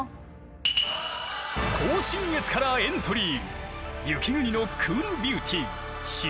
甲信越からエントリー。